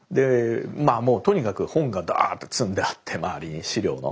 とにかく本がダーッて積んであって周りに資料の。